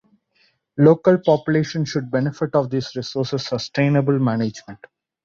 Local population should benefit of these resources sustainable management.